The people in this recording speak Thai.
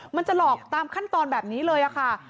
มันจะหลอกตามขั้นตอนแบบนี้เลยค่ะ